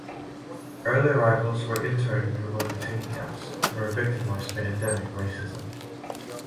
Early arrivals were interred in remote detainee camps and were victimized by endemic racism.